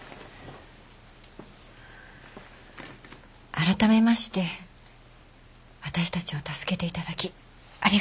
改めまして私たちを助けていただきありがとうございます。